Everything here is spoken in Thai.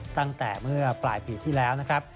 ตั้งแต่เมื่อปลายปีที่แล้วนะครับ